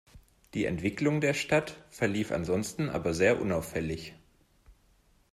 Die Entwicklung der Stadt verlief ansonsten aber sehr unauffällig.